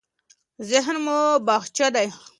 ذهن مو باغچه ده.